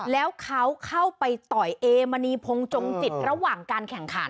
แล้วเขาเข้าไปต่อยเอมณีพงศ์จงจิตระหว่างการแข่งขัน